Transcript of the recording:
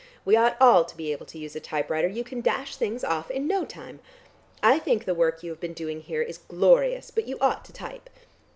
We ought all to be able to use a typewriter; you can dash things off in no time. I think the work you have been doing here is glorious, but you ought to type.